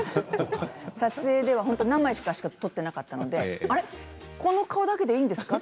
撮影では何枚かしか撮っていなかったのでこの顔だけでいいんですかって。